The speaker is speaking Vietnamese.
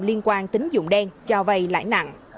liên quan tính dụng đen cho vây lãi nặng